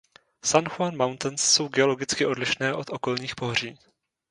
San Juan Mountains jsou geologicky odlišné od okolních pohoří.